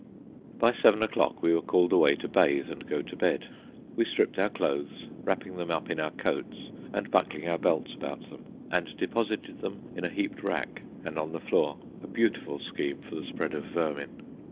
By seven o'clock we were called away to bathe and go to bed. We stripped our clothes, wrapping them up in our coats and buckling our belts about them, and deposited them in a heaped rack and on the floor—a beautiful scheme for the spread of vermin.